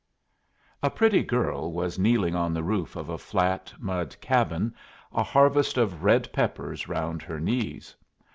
A pretty girl was kneeling on the roof of a flat mud cabin, a harvest of red peppers round her knees.